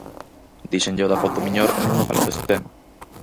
Díxenlle o da Foz do Miñor e non me falou deste tema.